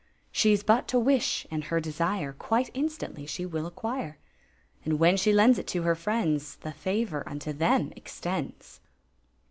*♦ She 's but to wish, and hor desire Quite instantly she wUl acquhv; And when she lends it to her friends, The favor unto them extends.